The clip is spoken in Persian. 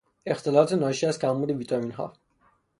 اختلالات ناشی از کمبود ویتامینها